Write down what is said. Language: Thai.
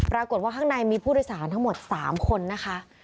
ปรากฏว่าข้างในมีผู้โดยสารทั้งหมด๓คนนะคะ